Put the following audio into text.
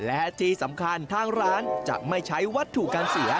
และที่สำคัญทางร้านจะไม่ใช้วัตถุการเสีย